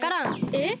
・えっ？